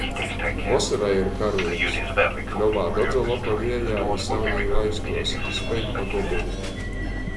Vosorai ir karūgs. Pļovā dodza lopa viejā i saulē laistuos i speid par gobolu.